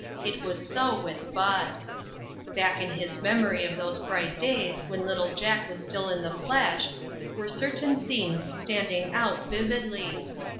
It was so with Bud. Back in his memory of those bright days when little Jack was still in the flesh, were certain scenes standing out vividly.